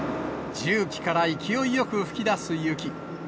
重機から勢いよく噴き出す雪。